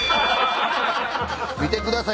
見てください